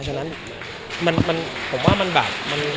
ฉะนั้นผมว่ามันแบบ